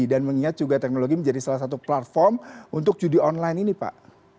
dan mengingat juga teknologi menjadi salah satu platform untuk judi online ini pak